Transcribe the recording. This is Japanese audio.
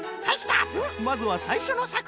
まずはさいしょのさくひん！